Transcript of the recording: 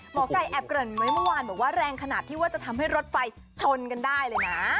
หมอไก่แอบเกริ่นไว้เมื่อวานบอกว่าแรงขนาดที่ว่าจะทำให้รถไฟชนกันได้เลยนะ